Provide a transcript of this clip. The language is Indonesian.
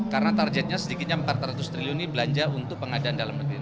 karena targetnya sedikitnya empat ratus triliun ini belanja untuk pengadaan dalam negeri